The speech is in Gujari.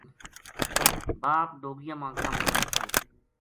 باپ ڈوگیاں ما کم کرے تھو